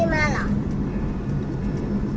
อี้มาหรอ